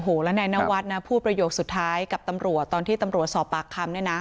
โอ้โหแล้วนายนวัดนะพูดประโยคสุดท้ายกับตำรวจตอนที่ตำรวจสอบปากคำเนี่ยนะ